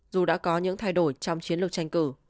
dù đã có những thay đổi trong chiến lược tranh cử